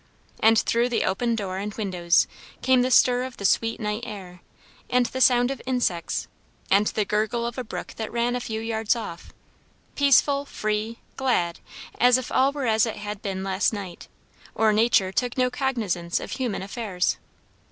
And through the open door and windows came the stir of the sweet night air, and the sound of insects, and the gurgle of a brook that ran a few yards off; peaceful, free, glad, as if all were as it had been last night, or nature took no cognizance of human affairs.